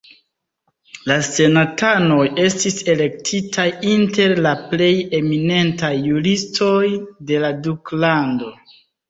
La senatanoj estis elektitaj inter la plej eminentaj juristoj de la duklando.